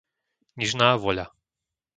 Nižná Voľa